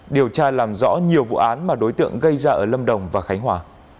điều tra làm rõ nhiều vụ án mà đối tượng gây ra ở lâm đồng và khánh hòa